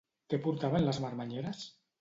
Què portaven les marmanyeres?